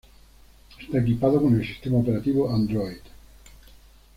Esta equipado con el sistema operativo Android.